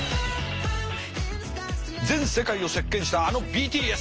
全世界を席けんしたあのＢＴＳ！